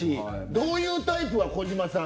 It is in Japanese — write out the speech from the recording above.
どういうタイプが児嶋さん